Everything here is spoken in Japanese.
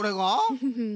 フフフ。